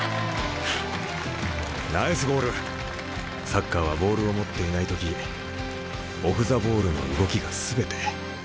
サッカーはボールを持っていない時オフ・ザ・ボールの動きが全て。